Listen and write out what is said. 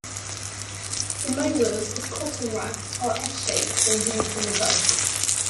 The molars of cotton rats are S-shaped when viewed from above.